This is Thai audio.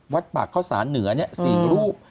วัดปากเข้าสารเหนือ๔รูป